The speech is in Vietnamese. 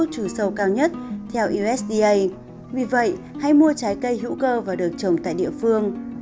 dâu tây có mức độ thuốc trừ sâu cao nhất theo usda vì vậy hãy mua trái cây hữu cơ và được trồng tại địa phương